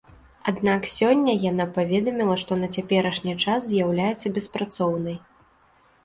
Аднак сёння яна паведаміла, што на цяперашні час з'яўляецца беспрацоўнай.